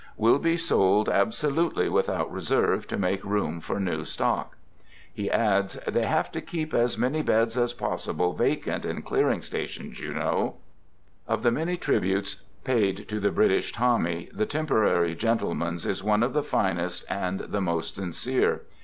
Will be sold absolutely with out reserve to make room for new stock." He adds :" They have to keep as many beds as possible vacant in Clearing Stations, you know." Of the many tributes paid to the British Tommy, the Temporary Gentleman's is one of the finest and the most sincere.